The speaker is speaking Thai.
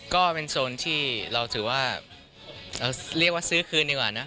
ก็เป็นโซนที่เราถือว่าเรียกว่าซื้อคืนดีกว่านะ